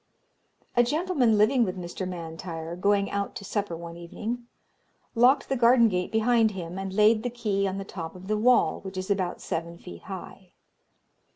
"A gentleman living with Mr. M'Intyre, going out to supper one evening, locked the garden gate behind him, and laid the key on the top of the wall, which is about seven feet high.